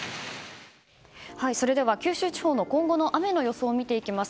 それでは九州地方の今後の雨の予想を見ていきます。